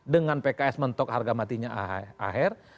dengan pks mentok harga matinya aher